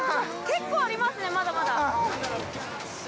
結構ありますね、まだまだ。